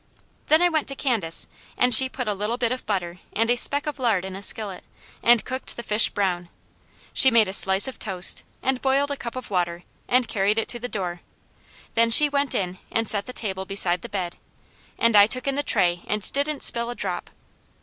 Then I went to Candace and she put a little bit of butter and a speck of lard in a skillet, and cooked the fish brown. She made a slice of toast and boiled a cup of water and carried it to the door; then she went in and set the table beside the bed, and I took in the tray, and didn't spill a drop.